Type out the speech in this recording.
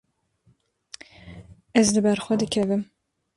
Ez li ber xwe dikevim.